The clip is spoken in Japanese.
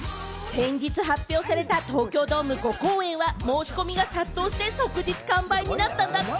先日発表された東京ドーム５公演は、申し込みが殺到して即日完売になったんだって！